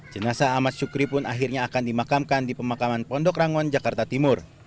jenasa ahmad syukri pun akhirnya akan dimakamkan di pemakaman pondok rangon jakarta timur